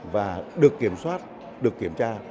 và được kiểm soát được kiểm tra